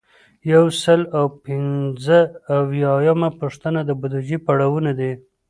یو سل او پنځه اویایمه پوښتنه د بودیجې پړاوونه دي.